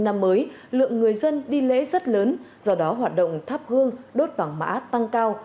năm mới lượng người dân đi lễ rất lớn do đó hoạt động thắp hương đốt vàng mã tăng cao